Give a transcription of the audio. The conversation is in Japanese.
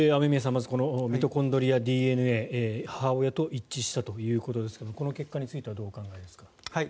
まずミトコンドリアＤＮＡ母親と一致したということですがこの結果についてはどうお考えですか？